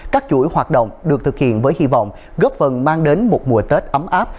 các chuỗi hoạt động được thực hiện với hy vọng góp phần mang đến một mùa tết ấm áp